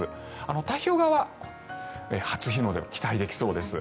太平洋側は初日の出を期待できそうです。